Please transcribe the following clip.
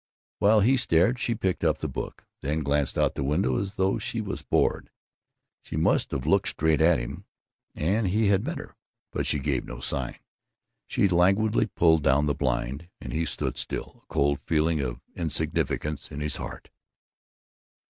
While he stared, she picked up the book, then glanced out of the window as though she was bored. She must have looked straight at him, and he had met her, but she gave no sign. She languidly pulled down the blind, and he stood still, a cold feeling of insignificance in his heart.